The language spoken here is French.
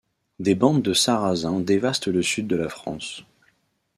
Des bandes de Sarrasins dévastent le sud de la France.